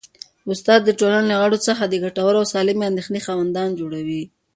استاد د ټولني له غړو څخه د ګټورو او سالمې اندېښنې خاوندان جوړوي.